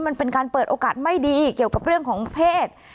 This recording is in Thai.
มันเป็นการเปิดโอกาสไม่ดีเกี่ยวกับเรื่องของเพศ